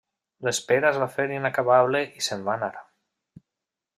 L'espera es va fer inacabable i se'n va anar.